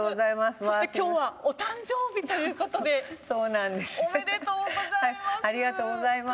そして今日はお誕生日ということでおめでとうございます。